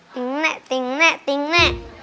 ติ๊งแม่ติ๊งแม่ติ๊งแม่